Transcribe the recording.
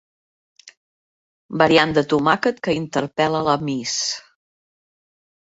Variant de tomàquet que interpel·la la miss.